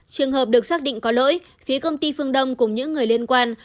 trường hợp được xác định có lỗi phía công ty phương đông cùng những người liên quan